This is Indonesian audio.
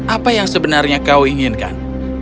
apa yang sebenarnya kau inginkan